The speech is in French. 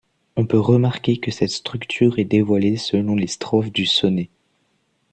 On peut remarquer que cette structure est dévoilée selon les strophes du sonnet.